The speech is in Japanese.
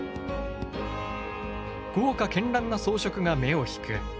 豪華絢爛な装飾が目を引く。